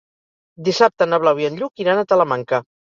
Dissabte na Blau i en Lluc iran a Talamanca.